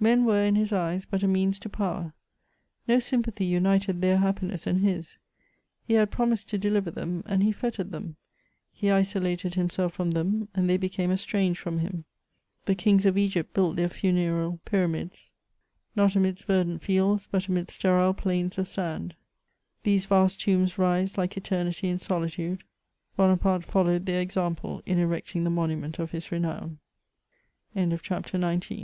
Men were in his eyes but a means to power ; no sympathy united their happiness and his : he had promised to deliver them, and he fettered them ; he isolated himself from them, and they became estranged from him. The kings of Egypt built their mnereal pyramids, not amidst verdant fields, but amidst sterile phdns of sand ; these vast tombs rise like eternity in solitude — Bonaparte followed their example